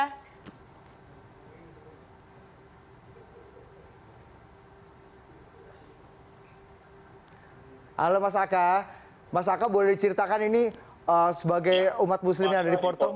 halo mas aka mas aka boleh diceritakan ini sebagai umat muslim yang ada di portom